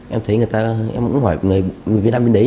em thấy người ta em cũng hỏi người việt nam bên đấy